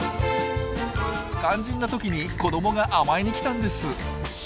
肝心な時に子どもが甘えに来たんです。